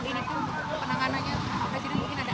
konfes azia ini itu penanganannya presiden mungkin ada ada